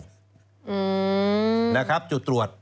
อืมนะครับจุดตรวจ